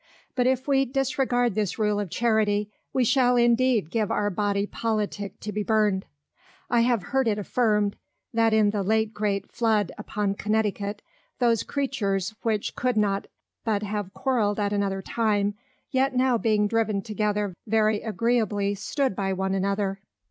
But if we disregard this Rule of Charity, we shall indeed give our Body Politick to be burned. I have heard it affirmed, That in the late great Flood upon Connecticut, those Creatures which could not but have quarrelled at another time, yet now being driven together very agreeably stood by one another.